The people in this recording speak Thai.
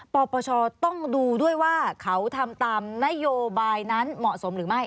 ปปชต้องดูด้วยว่าเขาทำตามนโยบายนั้นเหมาะสมหรือไม่